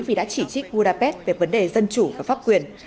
vì đã chỉ trích budapest về vấn đề dân chủ và pháp quyền